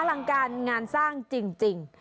ลังการงานสร้างจริง